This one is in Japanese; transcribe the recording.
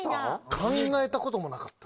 考えた事もなかった。